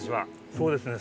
そうですね